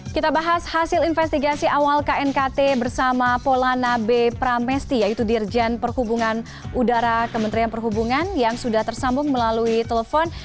kita bahas hasil investigasi awal knkt bersama polana b pramesti yaitu dirjen perhubungan udara kementerian perhubungan yang sudah tersambung melalui telepon